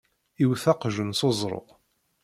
Iwet aqjun s uẓru.